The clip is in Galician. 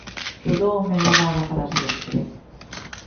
Quedoume gravada para sempre.